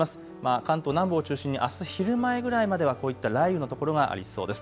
関東南部を中心にあす昼前ぐらいまではこういった雷雨の所がありそうです。